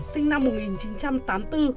sinh năm một nghìn chín trăm tám mươi bốn